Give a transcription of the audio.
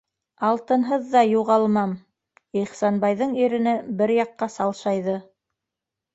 Алтынһыҙ ҙа юғалмам, - Ихсанбайҙың ирене бер яҡҡа салшайҙы.